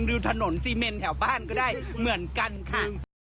มองดูถนนเสมนแถวบ้านก็ได้เหมือนกันค่ะ